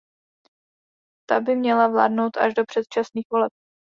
Ta by měla vládnout až do předčasných voleb.